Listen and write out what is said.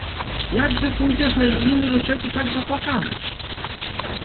— Jakże pójdziesz na imieniny do cioci taki zapłakany!